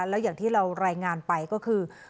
แล้วอย่างที่เรารายงานไปก็คือ